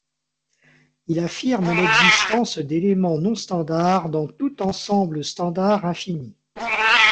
Il affirme l'existence d'éléments non standard dans tout ensemble standard infini.